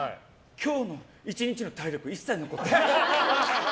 今日の１日の体力一切残ってない。